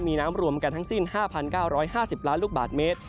มีน้ำรวมกันทั้งสิ้น๕๙๕๐ล้านลูกบาทเมตร